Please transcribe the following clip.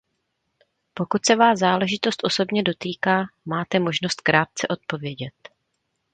Pokud se vás záležitost osobně dotýká, máte možnost krátce odpovědět.